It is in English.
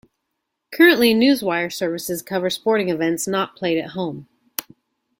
Currently, news wire services cover sporting events not played at home.